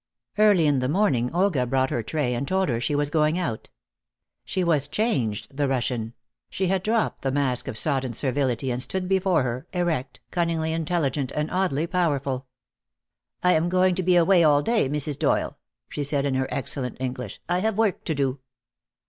Early in the morning Olga brought her a tray and told her she was going out. She was changed, the Russian; she had dropped the mask of sodden servility and stood before her, erect, cunningly intelligent and oddly powerful. "I am going to be away all day, Mrs. Doyle," she said, in her excellent English. "I have work to do."